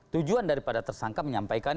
tujuan daripada tersangka menyampaikan